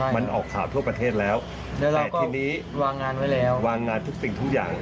มันออกข่าวทั่วประเทศแล้วแต่ทีนี้วางงานทุกสิ่งทุกอย่าง